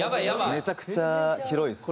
めちゃくちゃ広いですね。